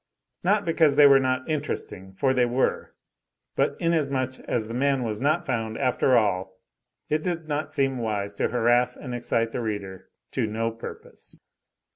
Not because they were not interesting for they were; but inasmuch as the man was not found, after all, it did not seem wise to harass and excite the reader to no purpose.